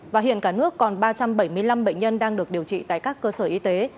và hiện cả nước còn ba trăm bảy mươi năm bệnh nhân đang được điều trị tại các cơ sở y tế